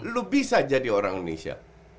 lu bisa jadi orang indonesia